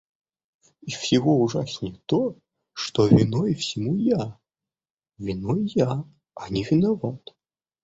И всего ужаснее то, что виной всему я, — виной я, а не виноват.